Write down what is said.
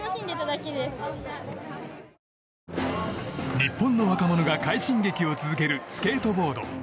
日本の若者が快進撃を続けるスケートボード。